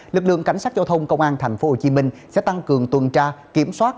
lực lượng cảnh sát giao thông công an tp hcm sẽ tăng cường tuần tra kiểm soát